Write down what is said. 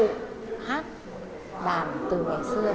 các cụ hát làm từ ngày xưa